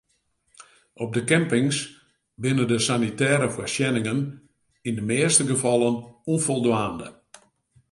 Op de campings binne de sanitêre foarsjenningen yn de measte gefallen ûnfoldwaande.